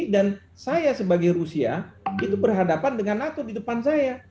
saya sebagai rusia itu berhadapan dengan nato di depan saya